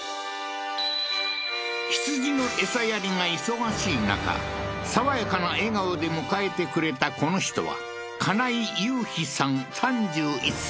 羊の餌やりが忙しい中爽やかな笑顔で迎えてくれたこの人は３１？